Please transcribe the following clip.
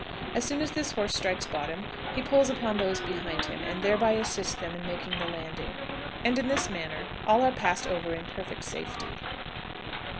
As soon as this horse strikes bottom he pulls upon those behind him, and thereby assists them in making the landing, and in this manner all are passed over in perfect safety.